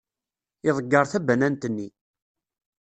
Iḍegger tabanant-nni.